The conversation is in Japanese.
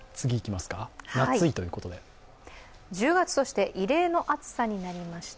１０月として異例の暑さになりました。